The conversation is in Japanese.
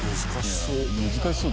難しそう。